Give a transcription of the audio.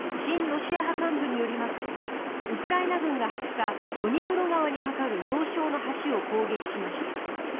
ロシア派幹部によりますとウクライナ軍が２０日ドニプロ川に架かる要衝の橋を攻撃しました。